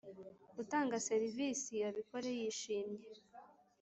utanga serivisi abikore yishimye